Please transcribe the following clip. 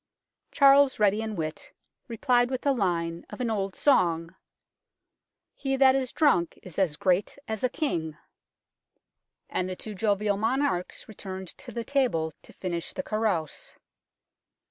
Charles, ready in wit, replied with the line of an old song " He that is drunk is as great as a King," and the two jovial monarchs returned to the table to finish the carouse.